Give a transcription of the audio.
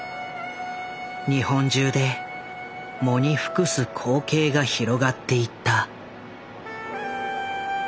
日本中で喪に服す光景が広がっていった。